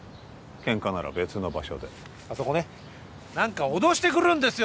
ケンカなら別の場所であそこね何か脅してくるんですよ